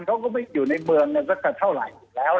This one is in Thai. เขาก็ไม่อยู่ในเมืองสักเท่าไหร่อยู่แล้ว